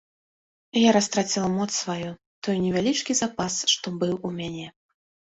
Я растраціла моц сваю, той невялічкі запас, што быў у мяне.